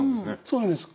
そうなんです。